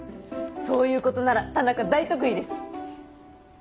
そういうことなら田中大得意です。